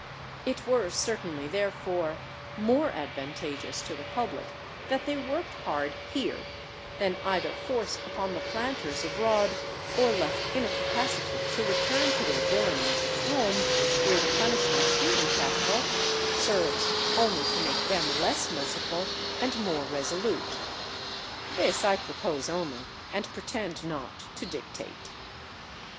It were certainly therefore, more advantageous to the public that they worked hard here, than either forced upon the planters abroad, or left in a capacity to return to their villainies at home, where the punishment being capital, serves only to make them less merciful and more resolute. This I propose only, and pretend not to dictate.